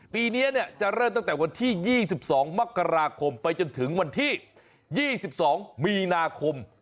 ปีเนี้ยเนี้ยจะเริ่มตั้งแต่วันที่ยี่สิบสองมกราคมไปจนถึงวันที่ยี่สิบสองมีนาคม